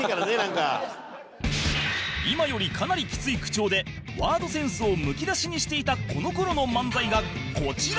今よりかなりきつい口調でワードセンスをむき出しにしていたこの頃の漫才がこちら